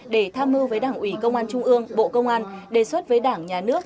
để tham mưu với đảng ủy công an trung ương bộ công an đề xuất với đảng nhà nước